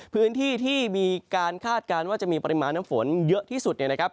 พื้นที่ที่มีการคาดการณ์ว่าจะมีปริมาณน้ำฝนเยอะที่สุดเนี่ยนะครับ